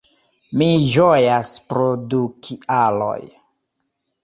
Mi ĝojas pro du kialoj